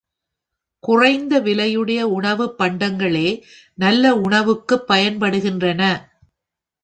குறைந்த விலையுடைய உணவுப் பண்டங்களே நல்ல உணவுக்குப் பயன்படுகின்றன.